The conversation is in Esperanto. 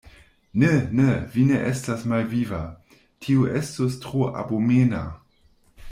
Ne, ne, vi ne estas malviva: tio estus tro abomena.